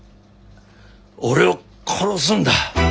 俺を殺すんだ。